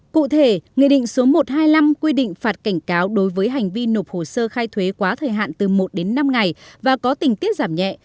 cụ thể nghị định số một trăm hai mươi năm quy định phạt cảnh cáo đối với hành vi nộp hồ sơ khai thuế quá thời hạn từ một đến năm ngày và có tình tiết giảm nhẹ